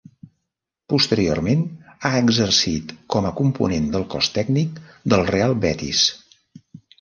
Posteriorment ha exercit com a component del cos tècnic del Real Betis.